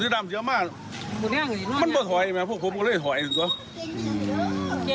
ถือดำเจ๋วมะมันบาดถอยไหมพวกผมก็เลยถอยกันก็